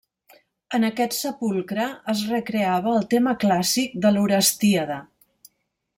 En aquest sepulcre es recreava el tema clàssic de l'Orestíada.